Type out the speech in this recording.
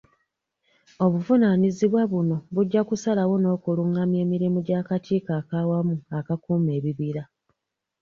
Obuvunaanyizibwa buno bujja kusalawo n'okulungamya emirimu gy'Akakiiko ak'Awamu Akakuuma Ebibira.